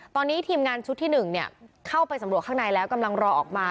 ตอนนี้ทีมงานชุดที่๑เข้าไปสำรวจข้างในแล้วกำลังรอออกมา